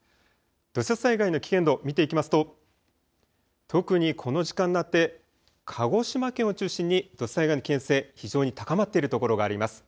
土砂災害の危険度、見ていきますと特にこの時間になって鹿児島県を中心に土砂災害の危険性、非常に高まっている所があります。